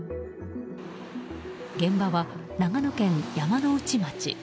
現場は長野県山ノ内町。